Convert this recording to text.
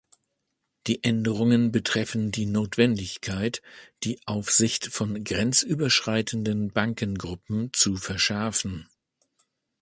Die Änderungen betreffen die Notwendigkeit, die Aufsicht von grenzüberschreitenden Bankengruppen zu verschärfen.